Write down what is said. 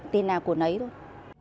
tên nào của nấy thôi